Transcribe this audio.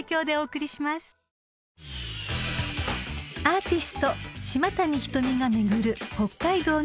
［アーティスト島谷ひとみが巡る北海道の旅］